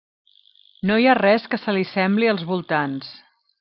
No hi ha res que se li sembli als voltants.